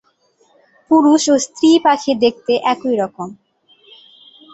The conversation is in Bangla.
পুরুষ ও স্ত্রী পাখি দেখতে একরকম।